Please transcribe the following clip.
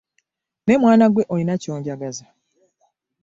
Naye mwana ggwe olina ky'onjagaza.